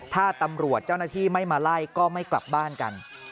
ถ้าตำรวจเจ้าหน้าที่ไม่มาไล่ก็ไม่กลับบ้านกัน